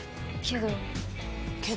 けど。